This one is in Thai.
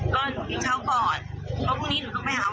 ก็เช้าก่อนเพราะวันนี้หนูต้องไปหาหมอ